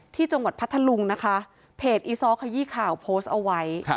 ที่จังหวัดพัทธลุงนะคะเพจอีซอเคยี่ข่าวโพสเอาไว้